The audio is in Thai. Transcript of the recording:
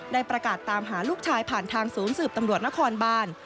ได้ประกาศตามหาลูกชายผ่านทางศูนย์สืบตำรวจนครบาน